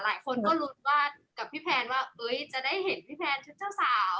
หลายคนก็ลุ้นกับพี่แพลนว่าโอ้ยจะได้เห็นพี่แพลนเนื้อผู้เจ้าสาว